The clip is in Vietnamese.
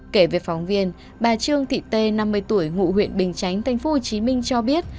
kể về phóng viên bà trương thị tê năm mươi tuổi ngụ huyện bình chánh tp hcm cho biết